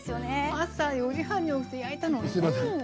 朝４時半に起きて焼いたの。